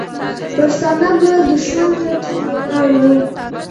پښتانه به دښمن ته ټینګ ولاړ وو.